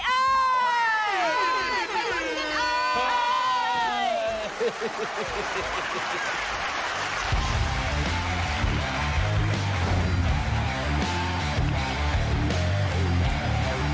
ไปรุ่นกัน